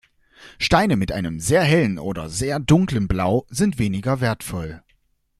Steine mit einem sehr hellen oder sehr dunklen Blau sind weniger wertvoll.